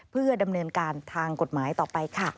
เพื่อดำเนินการทางกฎหมายต่อไปค่ะ